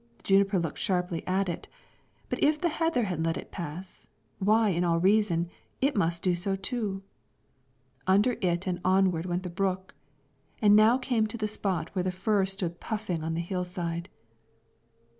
The juniper looked sharply at it; but if the heather had let it pass, why, in all reason, it must do so too. Under it and onward went the brook; and now came to the spot where the fir stood puffing on the hill side.